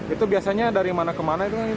itu biasanya dari mana ke mana jalurnya